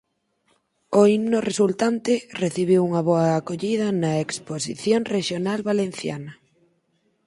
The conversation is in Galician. O himno resultante recibiu unha boa acollida na "Exposición Rexional Valenciana".